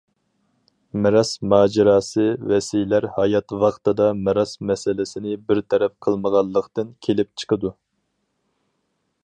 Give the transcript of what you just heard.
مىراس ماجىراسى ۋەسىيلەر ھايات ۋاقتىدا مىراس مەسىلىسىنى بىر تەرەپ قىلمىغانلىقتىن كېلىپ چىقىدۇ.